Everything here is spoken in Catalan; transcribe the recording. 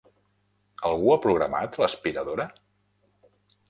Algú ha programat l'aspiradora?